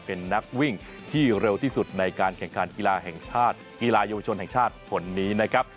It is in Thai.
เป็นนักวิ่งที่เร็วที่สุดในการแข่งขันกีฬาแห่งชาติกีฬาเยาวชนแห่งชาติคนนี้นะครับ